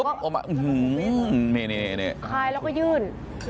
คลายแล้วก็ยื่น